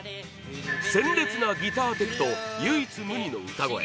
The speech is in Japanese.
鮮烈なギターテクと唯一無二の歌声。